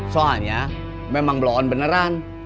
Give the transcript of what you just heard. soalnya memang blok on beneran